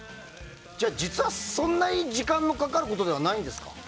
実はそんなに時間がかかることじゃないんですか？